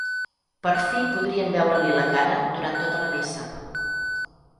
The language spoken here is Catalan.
Per fi podrien veure-li la cara durant tota la missa.